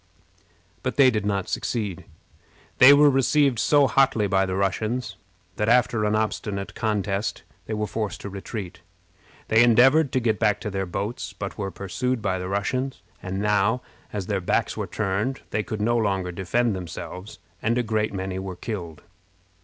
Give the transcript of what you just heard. But they did not succeed. They were received so hotly by the Russians that, after an obstinate contest, they were forced to retreat. They endeavored to get back to their boats, but were pursued by the Russians; and now, as their backs were turned, they could no longer defend themselves, and a great many were killed.